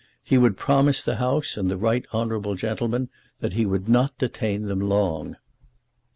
He would promise the House and the right honourable gentleman that he would not detain them long."